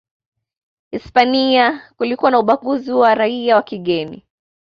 Hispania kulikuwa na ubaguzi wa raia wa kigeni